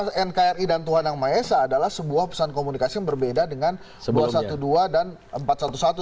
karena nkri dan tuhan yang maha esa adalah sebuah pesan komunikasi yang berbeda dengan dua ratus dua belas dan empat ratus sebelas